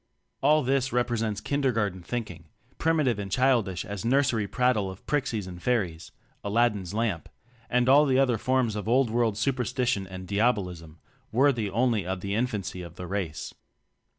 All this represents kindergarten thinking, primitive and childish ^ as nursery prattle of prixies and fairies, Aladin's lamp, and all the other forms of Old World superstition and diabolism, worthy only of the in fancy of the race.